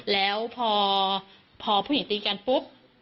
แล้วพอผู้หญิงตีกันปุ๊บ